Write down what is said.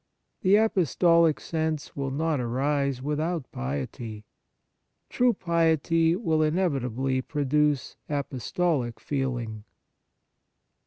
The apostolic sense will not arise without piety : true piety will inevitably produce apostolic feeling.